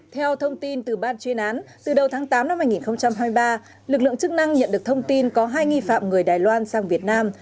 theo thông tin từ ban chuyên án từ đầu tháng tám năm hai nghìn hai mươi ba lực lượng chức năng nhận được thông tin có hai nghi phạm người đài loan sang việt nam